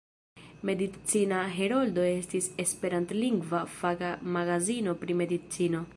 Medicina Heroldo estis esperantlingva faka magazino pri medicino.